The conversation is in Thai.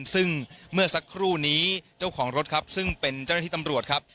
ซึ่งเมื่อสักครู่นี้เจ้าของรถครับซึ่งเป็นเจ้าหน้าที่ตำรวจครับ